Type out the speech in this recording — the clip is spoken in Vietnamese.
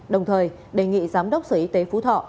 đồng thời đề nghị giám đốc sở y tế phú thọ